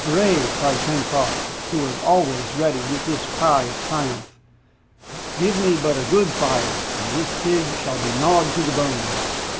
"Hurrah!" cried Pencroft, who was always ready with this cry of triumph. "Give me but a good fire, and this pig shall be gnawed to the bones!"